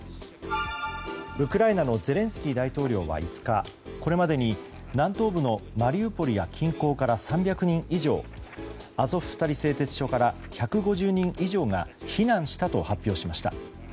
ウクライナのゼレンスキー大統領は５日これまでに南東部のマリウポリや近郊から３００人以上アゾフスタリ製鉄所から１５０人以上が避難したと発表しました。